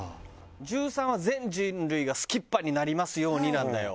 １３は「全人類がすきっ歯になりますように」なんだよ。